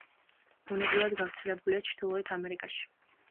ბუნებრივად გავრცელებულია ჩრდილოეთ ამერიკაში.